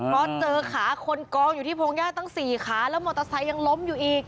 เพราะเจอขาคนกองอยู่ที่พงหญ้าตั้ง๔ขาแล้วมอเตอร์ไซค์ยังล้มอยู่อีก